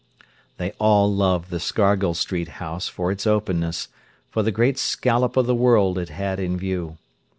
They all loved the Scargill Street house for its openness, for the great scallop of the world it had in view.